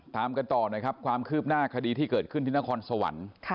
ตามกันต่อหน่อยครับความคืบหน้าคดีที่เกิดขึ้นที่นครสวรรค์